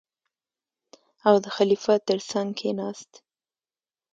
او د خلیفه تر څنګ کېناست.